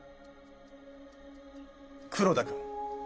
黒田君。